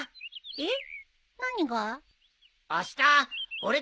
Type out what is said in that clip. えっ？